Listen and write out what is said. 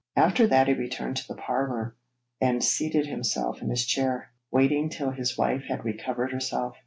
After that he returned to the parlour, and seated himself in his chair, waiting till his wife had recovered herself.